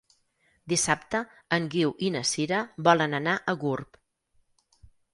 Dissabte en Guiu i na Sira volen anar a Gurb.